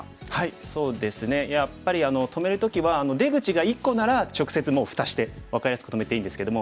そうですねやっぱり止める時は出口が１個なら直接もう蓋して分かりやすく止めていいんですけども。